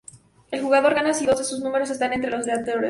El jugador gana si dos de sus números están entre los aleatorios.